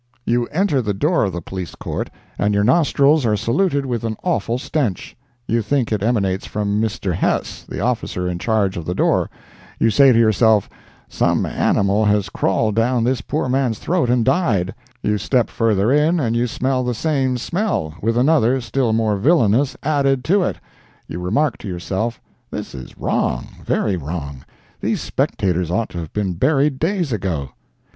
You enter the door of the Police Court, and your nostrils are saluted with an awful stench; you think it emanates from Mr. Hess, the officer in charge of the door; you say to yourself, "Some animal has crawled down this poor man's throat and died"; you step further in, and you smell the same smell, with another, still more villainous, added to it; you remark to yourself, "This is wrong—very wrong; these spectators ought to have been buried days ago."